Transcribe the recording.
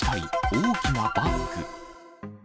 大きなバッグ。